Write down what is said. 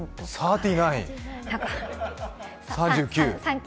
３９？